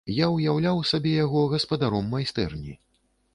Я ўяўляў сабе яго гаспадаром майстэрні.